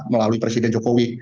melalui presiden jokowi